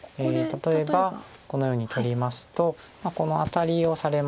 例えばこのように取りますとこのアタリをされまして。